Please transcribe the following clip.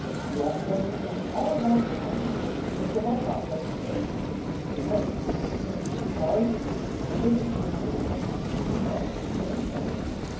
You ought to understand all about your coming. Mr. Holcroft doesn't take you because he needs your work, but because he's sorry for you, and wishes to give you a chance to do better and learn something.